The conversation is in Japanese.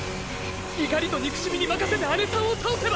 怒りと憎しみに任せてアネさんを倒せば。